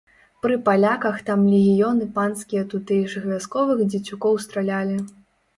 Пры паляках там легіёны панскія тутэйшых вясковых дзецюкоў стралялі.